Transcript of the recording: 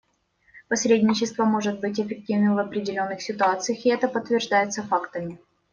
Посредничество может быть эффективным в определенных ситуациях, и это подтверждается фактами.